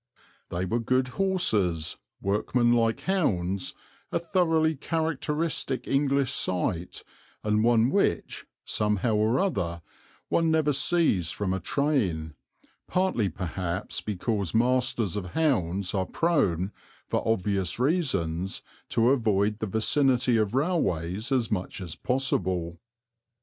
They were good horses, workmanlike hounds, a thoroughly characteristic English sight and one which, somehow or other, one never sees from a train, partly perhaps because masters of hounds are prone, for obvious reasons, to avoid the vicinity of railways as much as possible.